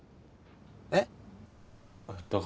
えっ？